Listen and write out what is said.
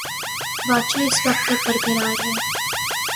بادشاہ اس وقت تک برقرار ہے۔